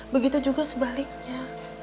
begitu juga sebaliknya